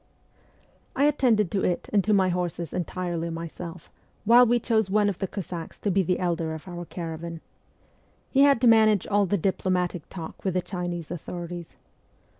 I attended to it and to my horses entirely myself, while we chose one of the Cossacks to be the ' elder ' of our caravan. He had to manage all the diplomatic talk with the Chinese authorities.